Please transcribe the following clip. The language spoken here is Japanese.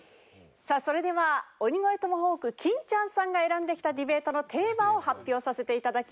さあそれでは鬼越トマホーク金ちゃんさんが選んできたディベートのテーマを発表させていただきます。